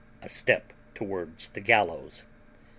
A step towards the gallows.